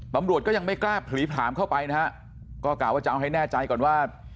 ตำรวจก็ยังไม่กล้าผลีผลามเข้าไปนะฮะก็กล่าวว่าจะเอาให้แน่ใจก่อนว่า